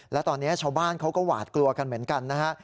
และตอนนี้ชาวบ้านเขาก็หวาดกลัวกันเหมือนกันนะฮะ